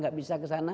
tidak bisa ke sana